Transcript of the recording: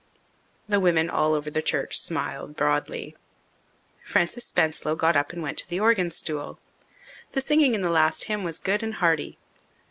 The women all over the church smiled broadly. Frances Spenslow got up and went to the organ stool. The singing in the last hymn was good and hearty.